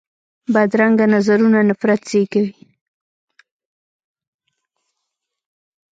بدرنګه نظرونه نفرت زېږوي